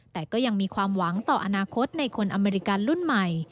แต่ก็ยังมีความหวังต่ออนาคตในคนอเมริกันรุ่นใหม่